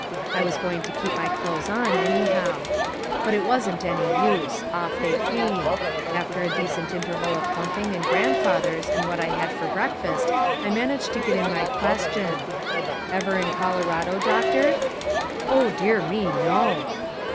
I was going to keep my clothes on, anyhow. But it wasn't any use. Off they came. After a decent interval of thumping and grandfathers, and what I had for breakfast, I managed to get in my question: "Ever in Colorado, Doctor?" "Oh, dear me, no!"